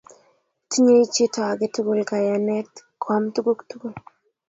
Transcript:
Tinyei chito age kayanet koam tuguk tugul.